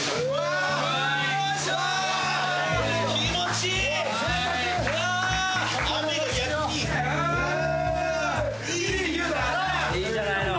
いいじゃないの。